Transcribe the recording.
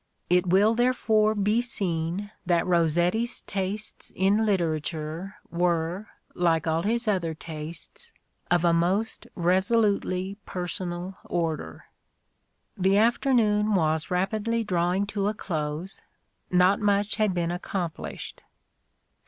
It will, therefore, be seen that Rossetti's tastes in literature were, like all his other tastes, of a most resolutely personal order. The afternoon was rapidly drawing to a close : not much had been accomplished.